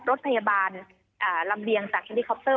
รถพยาบาลลำเลียงจากเฮลิคอปเตอร์